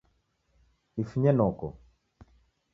Ifunye noko